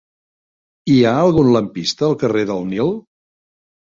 Hi ha algun lampista al carrer del Nil?